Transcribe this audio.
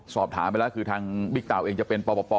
สอบถามไปแล้วคือทางบิ๊กเต่าเองจะเป็นปป